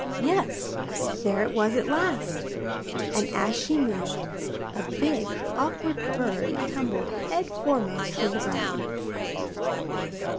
Yes, there it was at last; and as she moved, a big awkward bird tumbled head foremost on the ground.